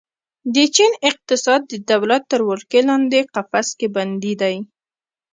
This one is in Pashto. د چین اقتصاد د دولت تر ولکې لاندې قفس کې بندي ده.